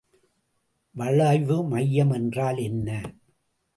வளைவு மையம் என்றால் என்ன?